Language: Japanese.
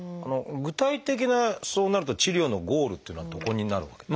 具体的なそうなると治療のゴールっていうのはどこになるわけで？